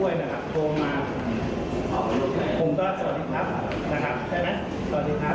อ้วยนะครับน้องอ้วยนะครับโทรมาผมก็สวัสดีครับนะครับใช่ไหม